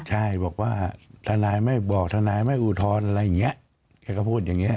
ใช่บอกว่าทนายไม่บอกทนายไม่อุทรอะไรอย่างเงี้ย